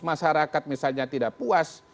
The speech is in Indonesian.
masyarakat misalnya tidak puas